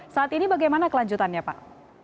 saat ini bagaimana kelanjutannya pak